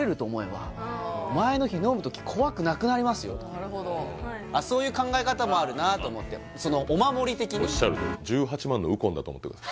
「前の日飲む時怖くなくなりますよ」となるほどそういう考え方もあるなと思っておっしゃるとおりだと思ってください